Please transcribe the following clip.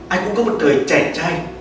ai cũng có một đời trẻ trai